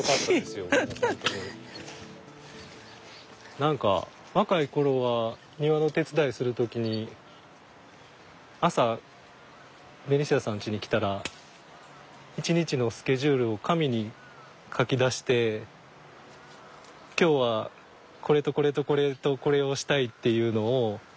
何か若い頃は庭の手伝いする時に朝ベニシアさんちに来たら一日のスケジュールを紙に書き出して今日はこれとこれとこれとこれをしたいっていうのを。